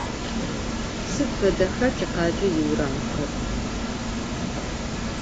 Sıd fedexa tikhale yiuramxer?